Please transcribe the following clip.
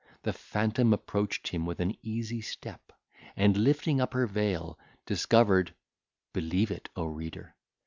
The phantom approached him with an easy step, and, lifting up her veil, discovered (believe it, O reader!)